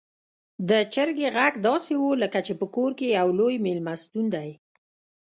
د چرګې غږ داسې و لکه چې په کور کې يو لوی میلمستون دی.